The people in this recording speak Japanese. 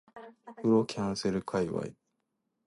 風呂キャンセル界隈